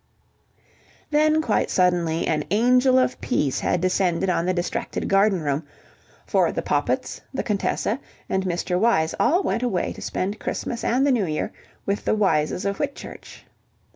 Then, quite suddenly, an angel of Peace had descended on the distracted garden room, for the Poppits, the Contessa and Mr. Wyse all went away to spend Christmas and the New Year with the Wyses of Whitchurch.